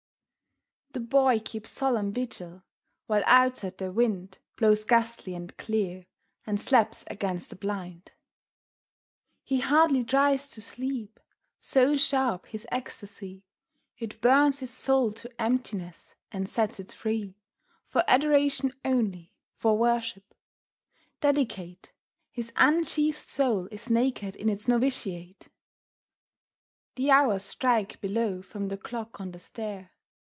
The Boy keeps solemn vigil, while outside the wind Blows gustily and clear, and slaps against the blind. He hardly tries to sleep, so sharp his ecstasy It burns his soul to emptiness, and sets it free For adoration only, for worship. Dedicate, His unsheathed soul is naked in its novitiate. The hours strike below from the clock on the stair.